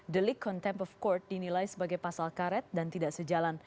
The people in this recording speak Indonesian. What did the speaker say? delik contempt of court dinilai sebagai pasal karet dan tidak sejalan